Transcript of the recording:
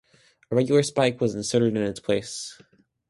A regular spike was inserted in its place.